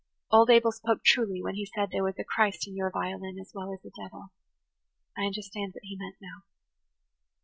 Old Abel spoke truly when he said there was a Christ in your violin as well as a devil. I understand what he meant now."